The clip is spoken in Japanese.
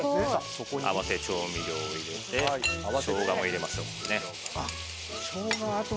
合わせ調味料入れてショウガも入れましょう。